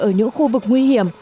ở những khu vực nguy hiểm